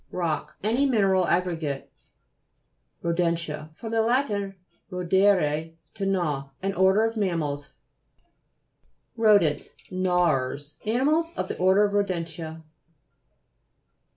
ROCK Any mineral aggregate (p.13). RODENTIA fr. lat. rodere, to gnaw. An order of mammals. RODENTS Gnawers ; animals of the order of rodentia.